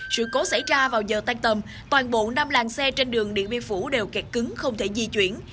sự cố xảy ra vào giờ tan tầm toàn bộ năm làng xe trên đường điện biên phủ đều kẹt cứng không thể di chuyển